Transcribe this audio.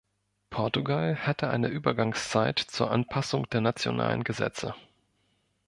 Portugal hatte eine Übergangszeit zur Anpassung der nationalen Gesetze.